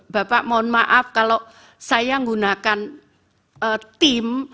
bapak mohon maaf kalau saya menggunakan tim